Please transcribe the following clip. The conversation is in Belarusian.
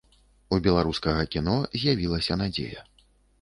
У беларускага кіно з'явілася надзея.